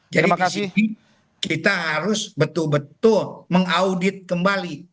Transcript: jadi di sini kita harus betul betul mengaudit kembali